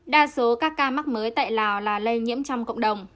đa số các ca mắc mới tại lào là lây nhiễm trong cộng đồng